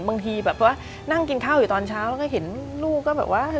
บางทีแบบว่านั่งกินข้าวอยู่ตอนเช้าแล้วก็เห็นลูกก็แบบว่า